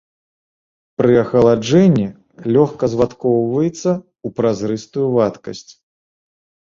Пры ахаладжэнні лёгка звадкоўваецца ў празрыстую вадкасць.